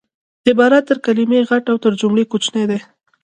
عبارت تر کلیمې غټ او تر جملې کوچنی دئ